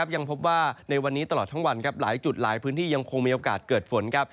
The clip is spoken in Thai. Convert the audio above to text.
ยังพบว่าในวันนี้ตลอดทั้งวันหลายจุดหลายพื้นที่ยังคงมีโอกาสเกิดฝนครับ